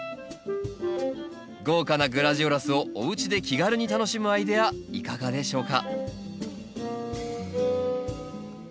豪華なグラジオラスをおうちで気軽に楽しむアイデアいかがでしょうか？